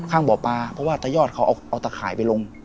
ข้างบ่อปลาเพราะว่าตะยอดเขาเอาตะข่ายไปลง